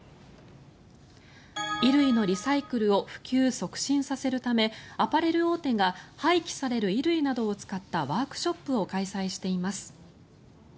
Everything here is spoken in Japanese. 衣類のリサイクルを普及・促進させるためアパレル大手が廃棄される衣類などを使ったワークショップを開催しています。